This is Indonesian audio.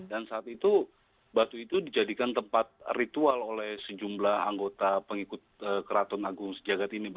dan saat itu batu itu dijadikan tempat ritual oleh sejumlah anggota pengikut keraton agung sejagat ini